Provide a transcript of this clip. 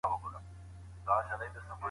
فساد کوونکي د ټولني دښمنان دي.